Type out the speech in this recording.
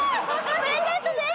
プレゼントです！